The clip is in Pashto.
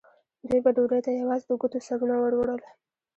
دوی به ډوډۍ ته یوازې د ګوتو سرونه وروړل.